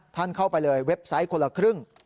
ท่านเข้าไปเลยเว็บไซต์คนละครึ่ง